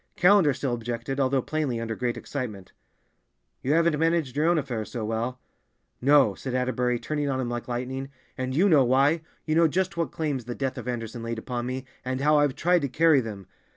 Callender still objected, although plainly under great excitement. "You haven't managed your own affairs so well." "No," said Atterbury, turning on him like lightning, "and you know why. You know just what claims the death of Anderson laid upon me, and how I've tried to carry them.